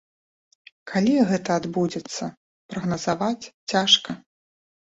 Калі гэта адбудзецца, прагназаваць цяжка.